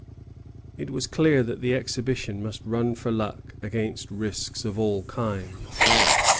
It was clear that the expedition must run for luck against risks of all kinds.